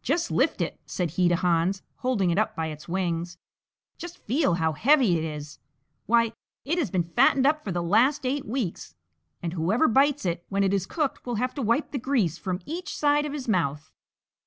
"Just lift it," said he to Hans, holding it up by its wings, "just feel how heavy it is; why, it has been fattened up for the last eight weeks, and whoever bites it when it is cooked will have to wipe the grease from each side of his mouth!"